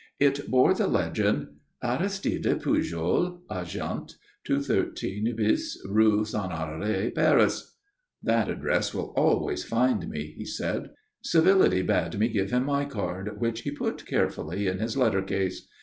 It bore the legend: ARISTIDE PUJOL, Agent. 213 bis, Rue Saint Honoré, Paris. "That address will always find me," he said. Civility bade me give him my card, which he put carefully in his letter case.